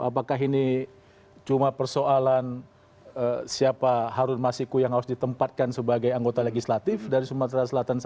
apakah ini cuma persoalan siapa harun masiku yang harus ditempatkan sebagai anggota legislatif dari sumatera selatan saja